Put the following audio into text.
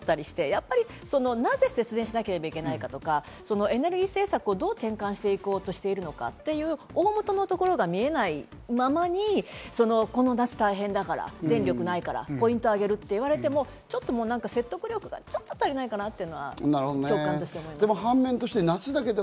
やっぱりなぜ節電しなければいけないかとか、エネルギー政策をどう転換していこうとしているのか、という大元のところが見えないままに、この夏、大変だから、電力ないからポイントをあげると言われても説得力がちょっと足りないかなと。